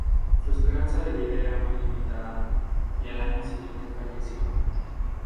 Su esperanza de vida era muy limitada, y al año siguiente falleció.